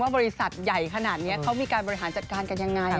บริษัทใหญ่ขนาดนี้เขามีการบริหารจัดการกันยังไง